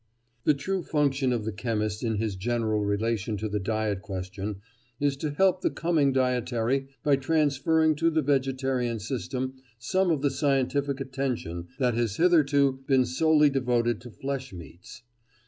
The true function of the chemist in his general relation to the diet question is to help the coming dietary by transferring to the vegetarian system some of the scientific attention that has hitherto been solely devoted to flesh meats.